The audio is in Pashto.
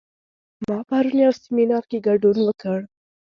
ما پرون یو سیمینار کې ګډون وکړ